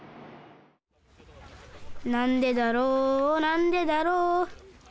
「なんでだろうなんでだろう」